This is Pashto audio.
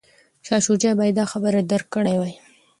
شاه شجاع باید دا خبره درک کړې وای.